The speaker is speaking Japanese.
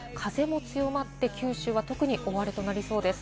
風も強まって、九州は特に大荒れとなりそうです。